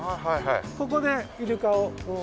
ここでイルカを出して。